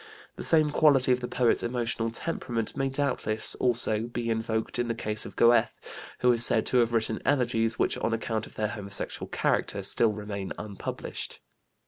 The same quality of the poet's emotional temperament may doubtless, also, be invoked in the case of Goethe, who is said to have written elegies which, on account of their homosexual character, still remain unpublished.